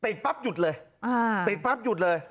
ปั๊บหยุดเลยติดปั๊บหยุดเลย